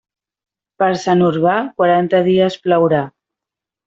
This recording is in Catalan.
Per Sant Urbà, quaranta dies plourà.